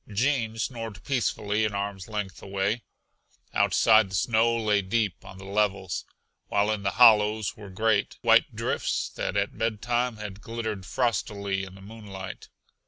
Gene snored peacefully an arm's length away. Outside the snow lay deep on the levels, while in the hollows were great, white drifts that at bedtime had glittered frostily in the moonlight.